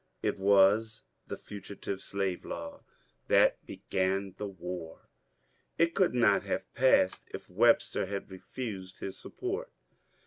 It was the Fugitive Slave Law that began the war. It could not have passed if Webster had refused his support.